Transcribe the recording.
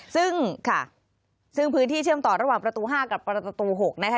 ซึ่งค่ะซึ่งพื้นที่เชื่อมต่อระหว่างประตู๕กับประตู๖นะคะ